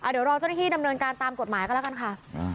เดี๋ยวรอเจ้าหน้าที่ดำเนินการตามกฎหมายก็แล้วกันค่ะ